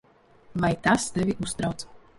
Vai tas tevi uztrauc?